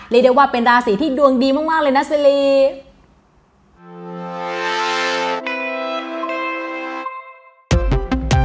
เรียกได้ว่าเป็นราศีที่ดวงดีมากเลยนะสิริ